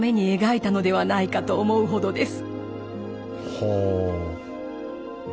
ほう。